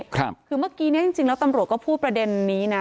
คือเมื่อกี้เนี้ยจริงแล้วตำรวจก็พูดประเด็นนี้นะ